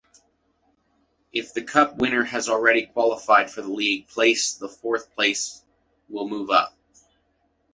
If the cup winner has already qualified for the league place, the fourth place will move up.